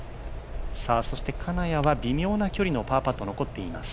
そして金谷は微妙な距離のパーパットが残っています。